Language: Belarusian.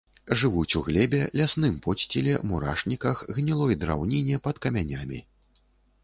Жывуць у глебе, лясным подсціле, мурашніках, гнілой драўніне, пад камянямі.